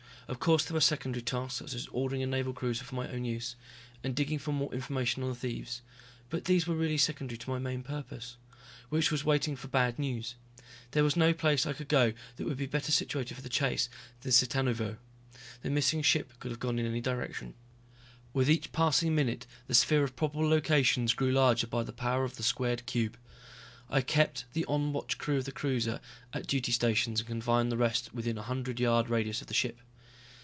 Of course there were secondary tasks, such as ordering a Naval cruiser for my own use, and digging for more information on the thieves, but these really were secondary to my main purpose. Which was waiting for bad news. There was no place I could go that would be better situated for the chase than Cittanuvo. The missing ship could have gone in any direction. With each passing minute the sphere of probable locations grew larger by the power of the squared cube. I kept the on watch crew of the cruiser at duty stations and confined the rest within a one hundred yard radius of the ship.